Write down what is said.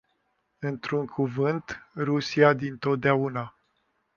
Într-un cuvânt, Rusia dintotdeauna.